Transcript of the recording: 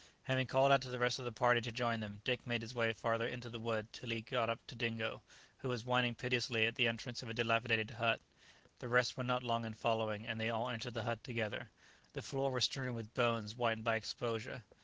Having called out to the rest of the party to join them, Dick made his way farther into the wood till he got up to Dingo, who was whining piteously at the entrance of a dilapidated hut. The rest were not long in following, and they all entered the hut together. The floor was strewn with bones whitened by exposure.